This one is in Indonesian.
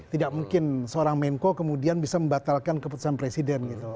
tidak mungkin seorang menko kemudian bisa membatalkan keputusan presiden gitu